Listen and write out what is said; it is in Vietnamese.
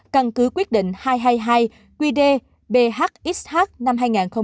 căn cứ quyết định hai trăm hai mươi hai qd bhxh năm hai nghìn hai mươi một